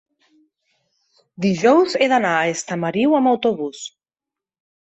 dijous he d'anar a Estamariu amb autobús.